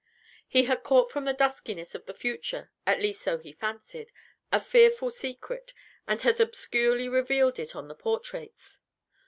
He had caught from the duskiness of the future at least, so he fancied a fearful secret, and had obscurely revealed it on the portraits.